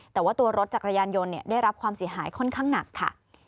แต่ว่าตัวรถจักรยานยนต์ได้รับความเสียหายค่อนข้างหนักค่ะ